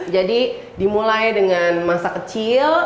jadi dimulai dengan masa kecil